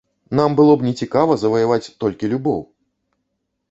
Нам было б нецікава заваяваць толькі любоў!